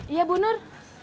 iya bu nur